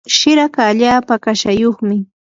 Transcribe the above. shiraka allaapa kashayuqmi.